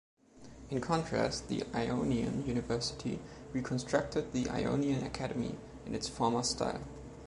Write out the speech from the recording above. In contrast, the Ionian University reconstructed the Ionian Academy in its former style.